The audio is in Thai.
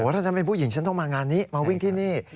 ถ้าฉันเป็นผู้หญิงฉันต้องมางานนี้มาวิ่งที่นี่